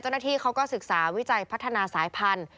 เจ้าหน้าที่เขาก็ศึกษาวิจัยพัฒนาสายพันธุ